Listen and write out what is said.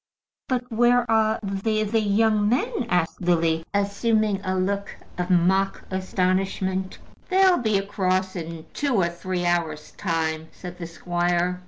"But where are the the the young men?" asked Lily, assuming a look of mock astonishment. "They'll be across in two or three hours' time," said the squire.